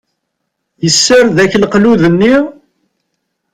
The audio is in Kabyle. Yessared akk leqlud-nni?